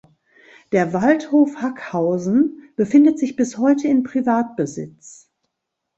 Der Waldhof Hackhausen befindet sich bis heute in Privatbesitz.